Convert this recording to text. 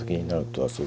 はい。